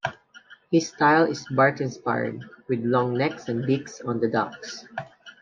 His style is Barks-inspired, with long necks and beaks on the ducks.